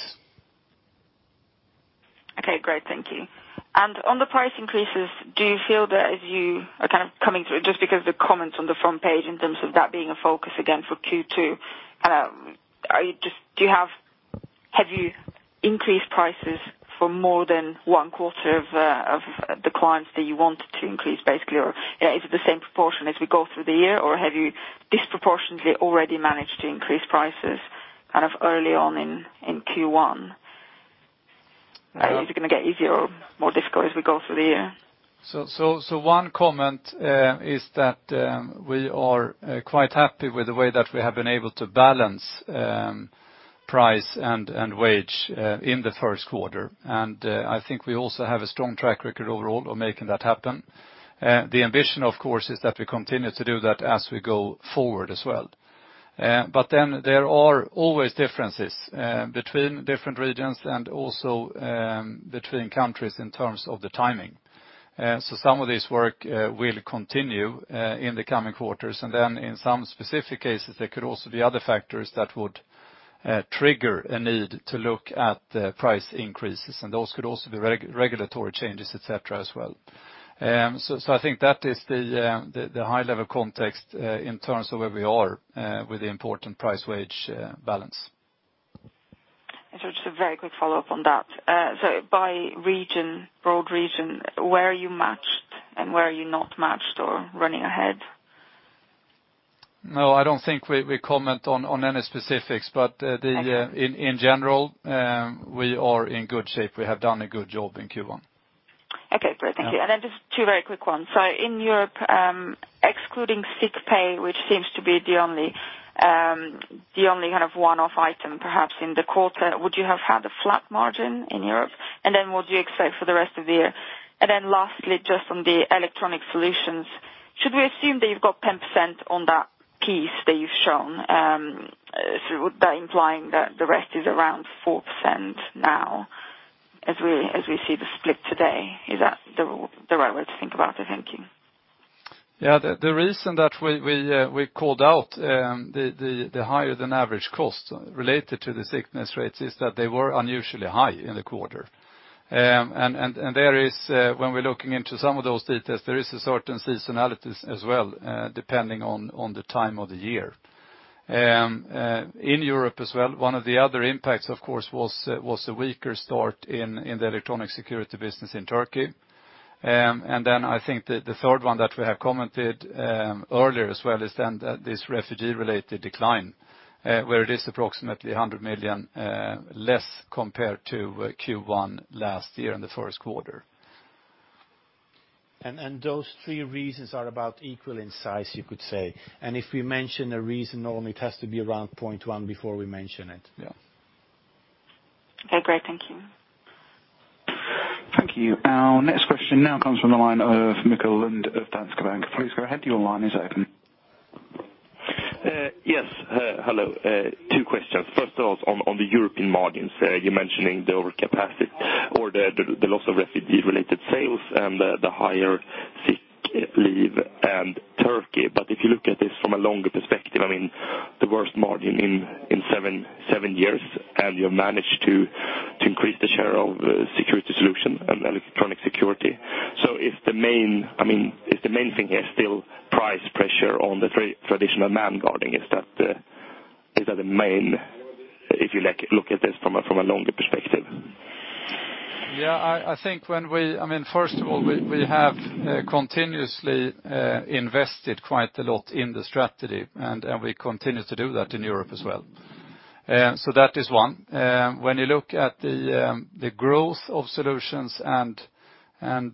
Okay, great. Thank you. On the price increases, do you feel that as you are kind of coming through, just because the comments on the front page in terms of that being a focus again for Q2, have you increased prices for more than one quarter of the clients that you wanted to increase, basically? Or is it the same proportion as we go through the year, or have you disproportionately already managed to increase prices kind of early on in Q1? Is it going to get easier or more difficult as we go through the year? One comment is that we are quite happy with the way that we have been able to balance price and wage in the first quarter. I think we also have a strong track record overall of making that happen. The ambition, of course, is that we continue to do that as we go forward as well. There are always differences between different regions and also between countries in terms of the timing. Some of this work will continue in the coming quarters, and then in some specific cases, there could also be other factors that would trigger a need to look at price increases, and those could also be regulatory changes, et cetera, as well. I think that is the high level context in terms of where we are with the important price wage balance. Just a very quick follow-up on that. By region, broad region, where are you matched and where are you not matched or running ahead? No, I don't think we comment on any specifics. Okay We are in good shape. We have done a good job in Q1. Great, thank you. Yeah. Just two very quick ones. In Europe, excluding sick pay, which seems to be the only kind of one-off item, perhaps in the quarter, would you have had a flat margin in Europe? What do you expect for the rest of the year? Lastly, just on the electronic solutions, should we assume that you've got 10% on that piece that you've shown, through that implying that the rest is around 4% now as we see the split today? Is that the right way to think about it? Thank you. The reason that we called out the higher than average cost related to the sickness rates is that they were unusually high in the quarter. There is, when we're looking into some of those details, there is a certain seasonality as well, depending on the time of the year. In Europe as well, one of the other impacts, of course, was a weaker start in the electronic security business in Turkey. I think the third one that we have commented earlier as well is then this refugee related decline, where it is approximately 100 million less compared to Q1 last year in the first quarter. Those three reasons are about equal in size, you could say. If we mention a reason, normally it has to be around 0.1 before we mention it. Yeah. Okay, great. Thank you. Thank you. Our next question now comes from the line of Mikkel Lund of Danske Bank. Please go ahead. Your line is open. Yes. Hello. Two questions. First of all, on the European margins, you're mentioning the overcapacity or the loss of refugee related sales and the higher sick leave and Turkey. If you look at this from a longer perspective, the worst margin in seven years, and you've managed to increase the share of security solution and electronic security. Is the main thing here still price pressure on the traditional man guarding? Is that the main if you look at this from a longer perspective? Yeah. First of all, we have continuously invested quite a lot in the strategy, and we continue to do that in Europe as well. That is one. When you look at the growth of solutions and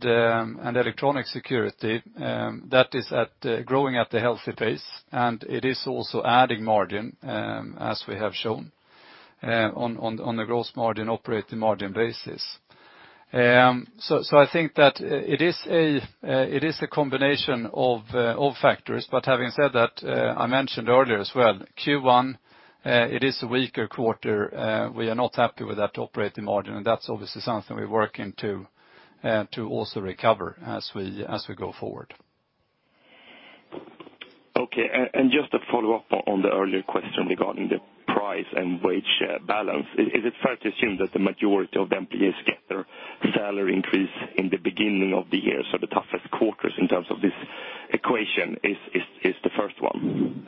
electronic security, that is growing at a healthy pace, and it is also adding margin as we have shown on a gross margin, operating margin basis. I think that it is a combination of all factors. Having said that, I mentioned earlier as well, Q1 it is a weaker quarter. We are not happy with that operating margin, and that's obviously something we're working to also recover as we go forward. Okay. Just to follow up on the earlier question regarding the price and wage balance. Is it fair to assume that the majority of employees get their salary increase in the beginning of the year, so the toughest quarters in terms of this equation is the first one?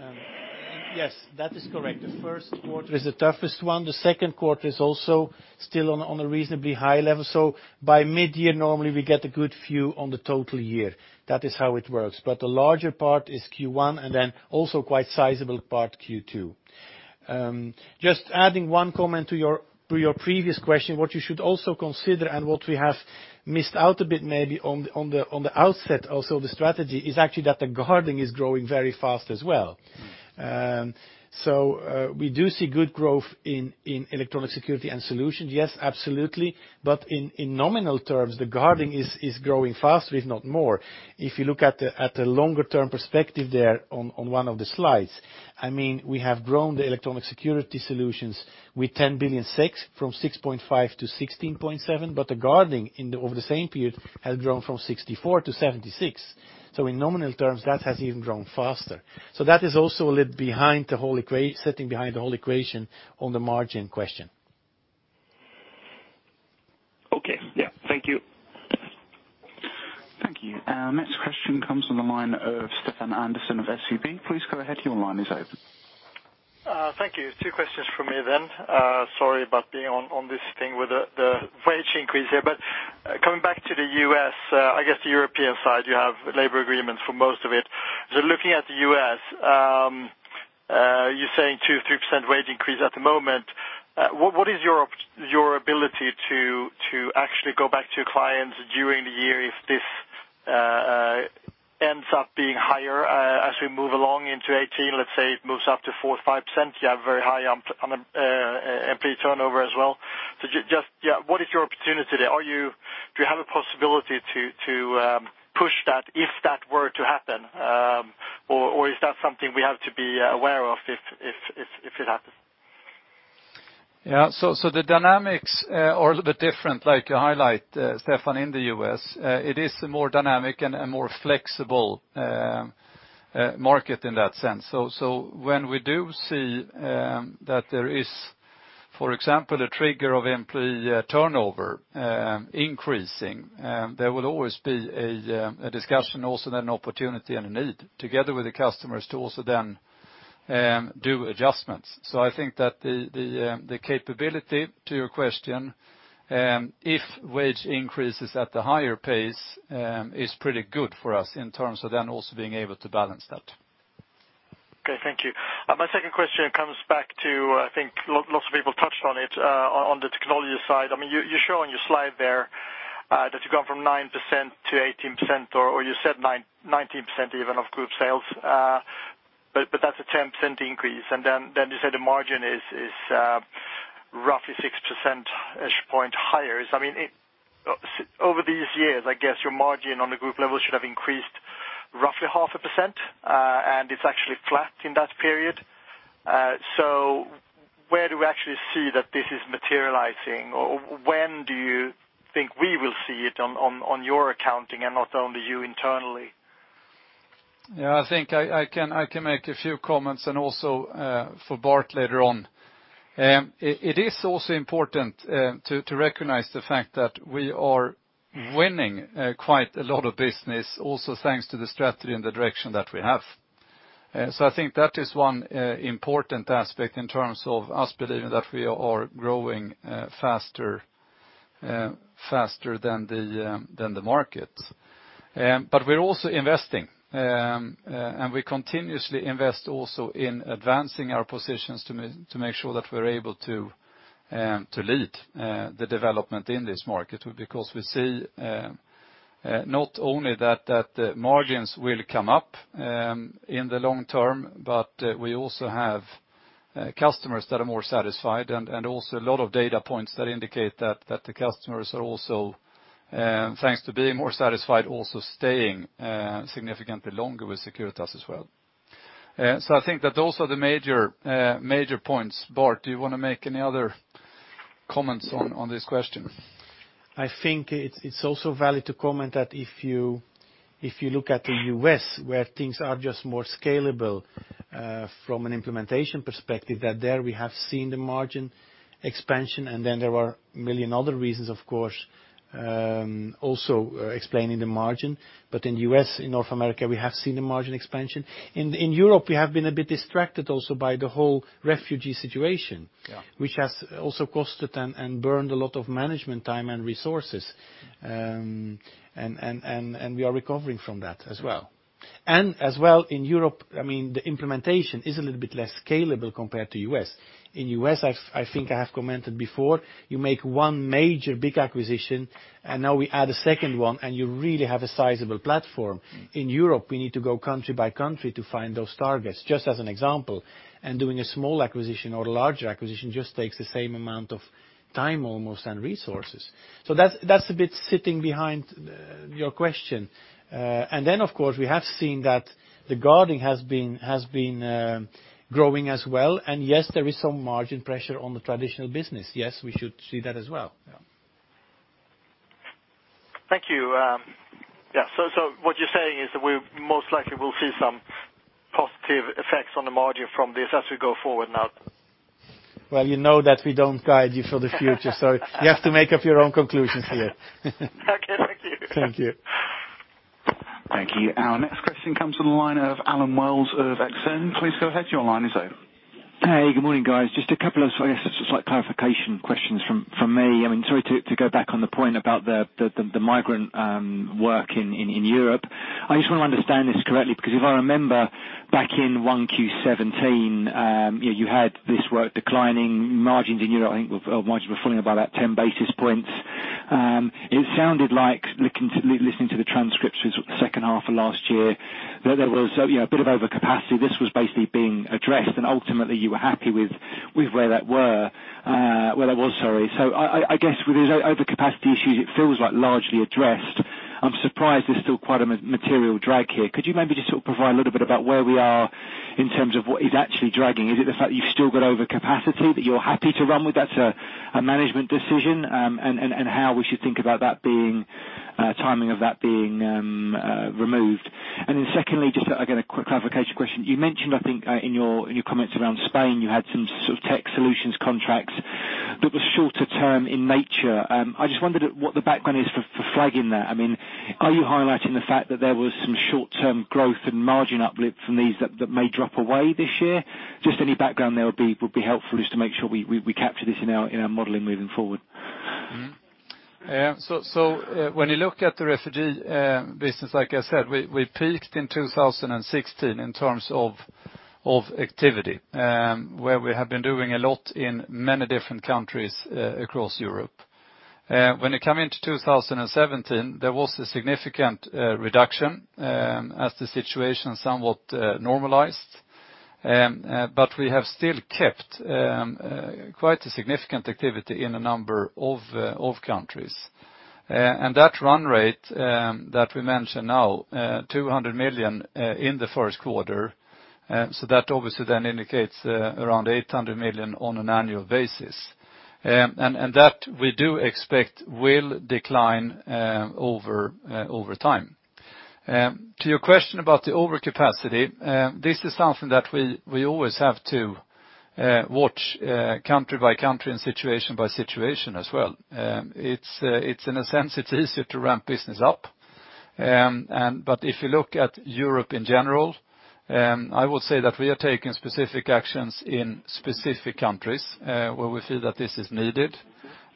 Yes, that is correct. The first quarter is the toughest one. The second quarter is also still on a reasonably high level. By mid-year, normally we get a good view on the total year. That is how it works. The larger part is Q1, and then also quite sizable part Q2. Just adding one comment to your previous question, what you should also consider and what we have missed out a bit maybe on the outset also the strategy is actually that the guarding is growing very fast as well. We do see good growth in electronic security and solutions, yes, absolutely. In nominal terms, the guarding is growing faster, if not more. If you look at the longer term perspective there on one of the slides, we have grown the electronic security solutions with 10.6 billion from 6.5-16.7, the guarding over the same period has grown from 64-76. In nominal terms, that has even grown faster. That is also sitting behind the whole equation on the margin question. Okay. Yeah. Thank you. Thank you. Our next question comes from the line of Stefan Andersson of SEB. Please go ahead. Your line is open. Thank you. Two questions from me. Sorry about being on this thing with the wage increase here. Coming back to the U.S., I guess the European side, you have labor agreements for most of it. Looking at the U.S., you're saying 2%-3% wage increase at the moment. What is your ability to actually go back to your clients during the year if this ends up being higher as we move along into 2018? Let's say it moves up to 4%-5%, you have very high employee turnover as well. Just what is your opportunity there? Do you have a possibility to push that if that were to happen? Is that something we have to be aware of if it happens? Yeah. The dynamics are a bit different, like you highlight, Stefan, in the U.S. It is a more dynamic and a more flexible market in that sense. When we do see that there is, for example, a trigger of employee turnover increasing there will always be a discussion also then opportunity and a need together with the customers to also then do adjustments. I think that the capability to your question, if wage increases at the higher pace is pretty good for us in terms of then also being able to balance that. Okay. Thank you. My second question comes back to, I think lots of people touched on it on the technology side. You show on your slide there that you've gone from 9% to 18%, or you said 19% even of group sales. That's a 10% increase, you said the margin is roughly 6% each point higher. Over these years, I guess your margin on the group level should have increased roughly half a percent, and it's actually flat in that period. Where do we actually see that this is materializing? When do you think we will see it on your accounting and not only you internally? Yeah. I think I can make a few comments and also for Bart later on. It is also important to recognize the fact that we are winning quite a lot of business also thanks to the strategy and the direction that we have. I think that is one important aspect in terms of us believing that we are growing faster than the market. We're also investing, and we continuously invest also in advancing our positions to make sure that we're able to lead the development in this market. Because we see not only that the margins will come up in the long term, but we also have customers that are more satisfied and also a lot of data points that indicate that the customers are also, thanks to being more satisfied, also staying significantly longer with Securitas as well. I think that those are the major points. Bart, do you want to make any other comments on this question? I think it's also valid to comment that if you look at the U.S. where things are just more scalable from an implementation perspective, that there we have seen the margin expansion, and then there are million other reasons, of course, also explaining the margin. In U.S., in North America, we have seen the margin expansion. In Europe, we have been a bit distracted also by the whole refugee situation- Yeah which has also cost and burned a lot of management time and resources. We are recovering from that as well. As well, in Europe, the implementation is a little bit less scalable compared to U.S. In U.S., I think I have commented before, you make one major big acquisition, and now we add a second one, and you really have a sizable platform. In Europe, we need to go country by country to find those targets, just as an example. Doing a small acquisition or a larger acquisition just takes the same amount of time almost and resources. That's a bit sitting behind your question. Then, of course, we have seen that the guarding has been growing as well. Yes, there is some margin pressure on the traditional business. Yes, we should see that as well. Yeah. Thank you. Yeah. What you're saying is we most likely will see some positive effects on the margin from this as we go forward now. Well, you know that we don't guide you for the future. You have to make up your own conclusions here. Okay, thank you. Thank you. Thank you. Our next question comes from the line of Allen Wells of Exane. Please go ahead. Your line is open. Hey, good morning, guys. Just a couple of, I guess, just like clarification questions from me. Sorry to go back on the point about the migrant work in Europe. I just want to understand this correctly, because if I remember back in 1Q 2017, you had this work declining margins in Europe. I think margins were falling about 10 basis points. It sounded like listening to the transcripts second half of last year, that there was a bit of overcapacity. This was basically being addressed, and ultimately you were happy with where that was, sorry. I guess with those overcapacity issues, it feels like largely addressed. I'm surprised there's still quite a material drag here. Could you maybe just sort of provide a little bit about where we are in terms of what is actually dragging? Is it the fact you've still got overcapacity that you're happy to run with? That's a management decision, and how we should think about timing of that being removed. Secondly, just again, a quick clarification question. You mentioned, I think, in your comments around Spain, you had some sort of tech solutions contracts that were shorter term in nature. I just wondered what the background is for flagging that. Are you highlighting the fact that there was some short-term growth and margin uplift from these that may drop away this year? Just any background there would be helpful, just to make sure we capture this in our modeling moving forward. When you look at the refugee business, like I said, we peaked in 2016 in terms of activity where we have been doing a lot in many different countries across Europe. When you come into 2017, there was a significant reduction as the situation somewhat normalized. We have still kept quite a significant activity in a number of countries. That run rate that we mention now, 200 million in the first quarter. That obviously indicates around 800 million on an annual basis. That we do expect will decline over time. To your question about the overcapacity, this is something that we always have to watch country by country and situation by situation as well. In a sense, it's easier to ramp business up. If you look at Europe in general, I would say that we are taking specific actions in specific countries where we feel that this is needed.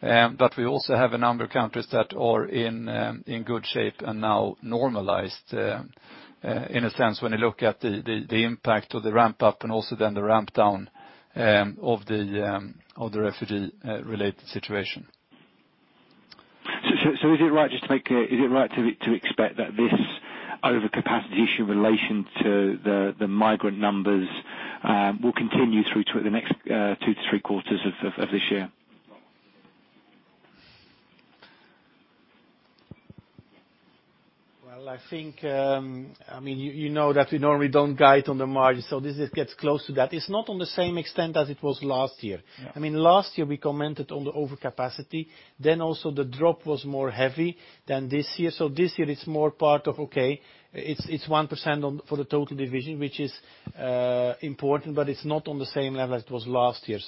We also have a number of countries that are in good shape and now normalized, in a sense, when you look at the impact of the ramp-up and also the ramp down of the refugee-related situation. Is it right to expect that this overcapacity issue in relation to the migrant numbers will continue through the next two to three quarters of this year? Well, you know that we normally don't guide on the margin, this gets close to that. It's not on the same extent as it was last year. Yeah. Last year we commented on the overcapacity. Also the drop was more heavy than this year. This year it's more part of, okay, it's 1% for the total division, which is important, but it's not on the same level as it was last year.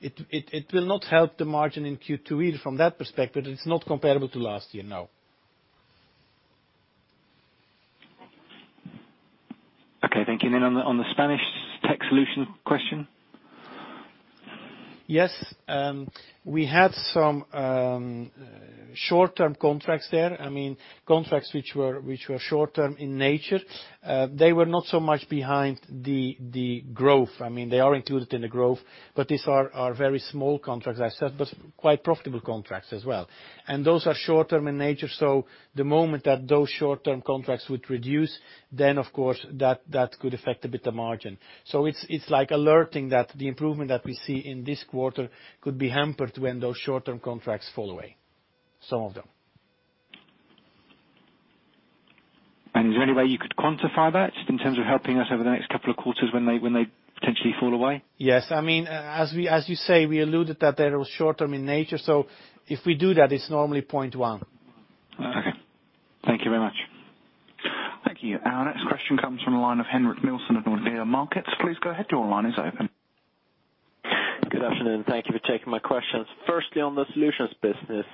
It will not help the margin in Q2 either from that perspective. It's not comparable to last year, no. Okay, thank you. On the Spanish tech solution question. Yes. We had some short-term contracts there. Contracts which were short-term in nature. They were not so much behind the growth. They are included in the growth, but these are very small contracts, I said, but quite profitable contracts as well. Those are short-term in nature, the moment that those short-term contracts would reduce, of course, that could affect a bit the margin. It's like alerting that the improvement that we see in this quarter could be hampered when those short-term contracts fall away. Some of them. Is there any way you could quantify that just in terms of helping us over the next couple of quarters when they potentially fall away? Yes. As you say, we alluded that they were short-term in nature, if we do that, it's normally 0.1. Okay. Thank you very much. Thank you. Our next question comes from the line of Henrik Nilsson of Nordea Markets. Please go ahead, your line is open. Good afternoon. Thank you for taking my questions. Firstly, on the solutions business,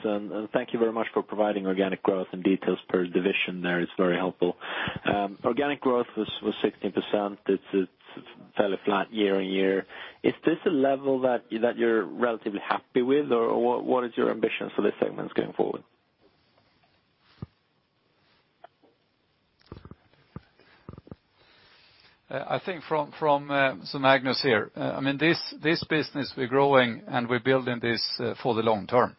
thank you very much for providing organic growth and details per division there, it's very helpful. Organic growth was 16%. It's fairly flat year-on-year. Is this a level that you're relatively happy with, or what is your ambition for this segment going forward? Magnus here. This business, we're growing, and we're building this for the long term.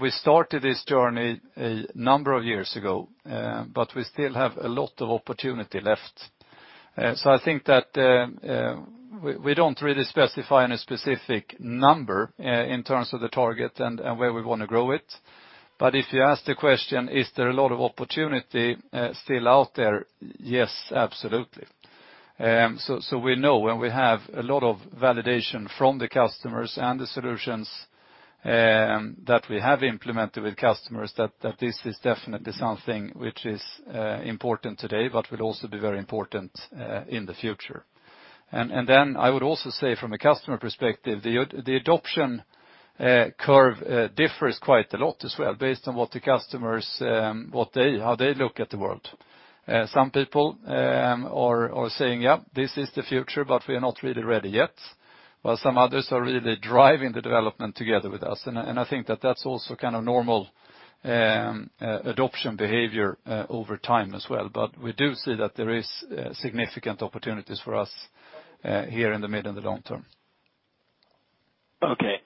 We started this journey a number of years ago, but we still have a lot of opportunity left. I think that we don't really specify any specific number in terms of the target and where we want to grow it. If you ask the question, is there a lot of opportunity still out there? Yes, absolutely. We know and we have a lot of validation from the customers and the solutions that we have implemented with customers that this is definitely something which is important today, but will also be very important in the future. I would also say from a customer perspective, the adoption curve differs quite a lot as well based on what the customers, how they look at the world. Some people are saying, "Yeah, this is the future, but we are not really ready yet," while some others are really driving the development together with us. I think that that's also normal adoption behavior over time as well. We do see that there is significant opportunities for us here in the mid and the long term. Okay.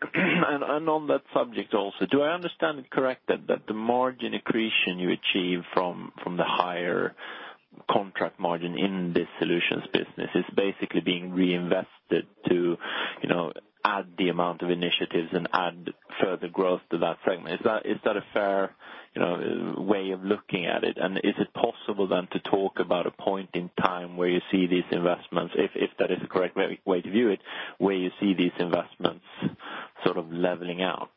On that subject also, do I understand it correctly that the margin accretion you achieve from the higher contract margin in this solutions business is basically being reinvested to add the amount of initiatives and add further growth to that segment? Is that a fair way of looking at it? Is it possible then to talk about a point in time where you see these investments, if that is the correct way to view it, where you see these investments sort of leveling out?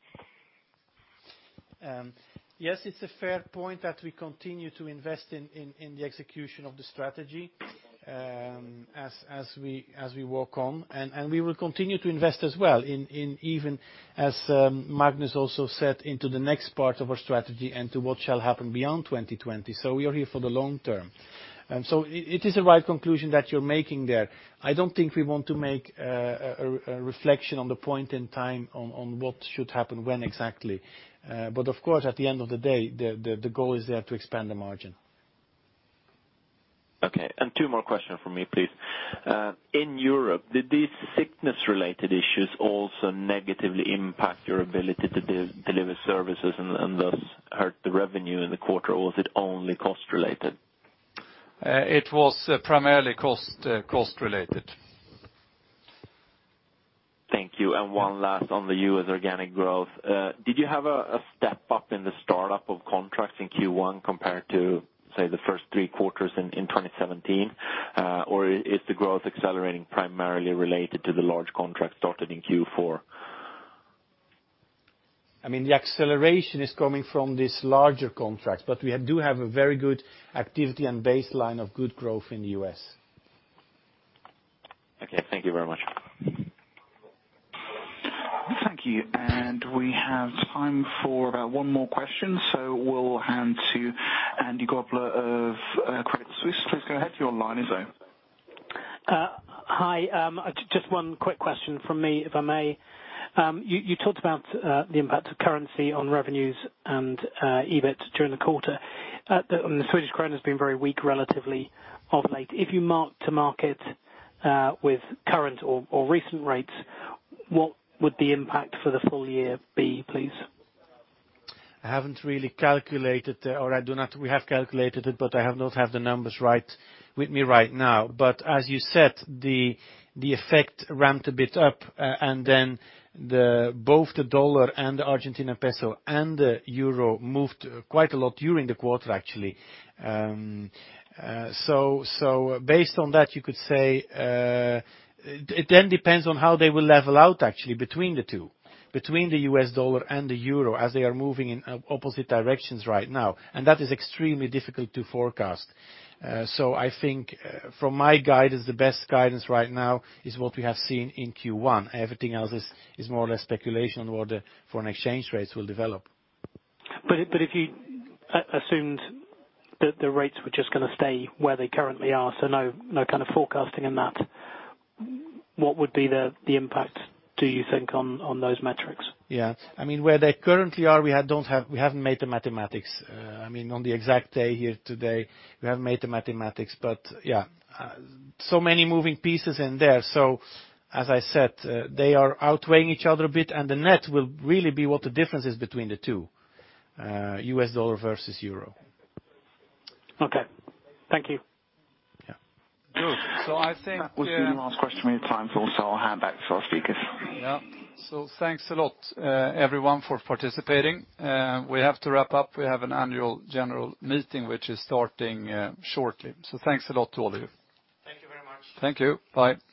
Yes, it's a fair point that we continue to invest in the execution of the strategy as we walk on. We will continue to invest as well in even, as Magnus also said, into the next part of our strategy and to what shall happen beyond 2020. We are here for the long term. It is a right conclusion that you're making there. I don't think we want to make a reflection on the point in time on what should happen when exactly. Of course, at the end of the day, the goal is there to expand the margin. Okay. Two more questions from me, please. In Europe, did these sickness-related issues also negatively impact your ability to deliver services and thus hurt the revenue in the quarter, or was it only cost-related? It was primarily cost-related. Thank you. One last on the U.S. organic growth. Did you have a step up in the startup of contracts in Q1 compared to, say, the first three quarters in 2017? Or is the growth accelerating primarily related to the large contract started in Q4? The acceleration is coming from these larger contracts. We do have a very good activity and baseline of good growth in the U.S. Okay. Thank you very much. Thank you. We have time for about one more question, so we'll hand to Andrew Grobler of Credit Suisse. Please go ahead, your line is open. Hi. Just one quick question from me, if I may. You talked about the impact of currency on revenues and EBIT during the quarter. The Swedish krona has been very weak relatively of late. If you mark to market with current or recent rates, what would the impact for the full year be, please? I haven't really calculated, or We have calculated it, but I have not had the numbers with me right now. As you said, the effect ramped a bit up, and then both the U.S. dollar and the Argentine peso and the euro moved quite a lot during the quarter, actually. Based on that, you could say it then depends on how they will level out, actually, between the two, between the U.S. dollar and the euro, as they are moving in opposite directions right now. That is extremely difficult to forecast. I think from my guidance, the best guidance right now is what we have seen in Q1. Everything else is more or less speculation on what the foreign exchange rates will develop. If you assumed that the rates were just going to stay where they currently are, so no kind of forecasting in that, what would be the impact, do you think, on those metrics? Yeah. Where they currently are, we haven't made the mathematics. On the exact day here today, we haven't made the mathematics. Yeah, so many moving pieces in there. As I said, they are outweighing each other a bit, and the net will really be what the difference is between the two, US dollar versus EUR. Okay. Thank you. Yeah. I think. That was going to be the last question. We have time for also. I'll hand back to our speakers. Yeah. Thanks a lot everyone for participating. We have to wrap up. We have an annual general meeting which is starting shortly. Thanks a lot to all of you. Thank you very much. Thank you. Bye.